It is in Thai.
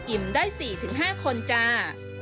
อิ่มได้๔๕คนจ้า